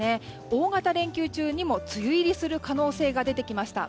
大型連休中にも梅雨入りする可能性が出てきました。